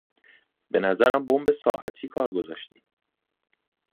بنظرم بمب ساعتی کار گذاشتی!